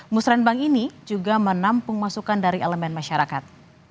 musrembang ini juga menampung masukan dari elemen masyarakat